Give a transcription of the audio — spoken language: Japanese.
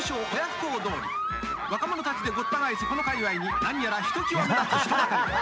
［若者たちでごった返すこのかいわいに何やらひときわ目立つ人だかり］